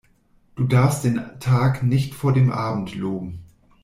Du darfst den Tag nicht vor dem Abend loben.